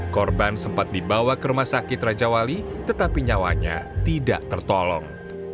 korban sempat dibawa ke rumah sakit raja wali tetapi nyawanya tidak tertolong